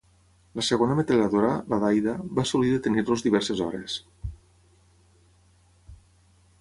La segona metralladora, la d'Aida, va assolir detenir-los diverses hores.